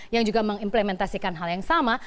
yang juga mengimplementasikan hal yang sama